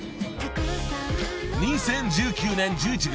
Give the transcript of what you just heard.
［２０１９年１１月。